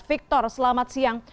victor selamat siang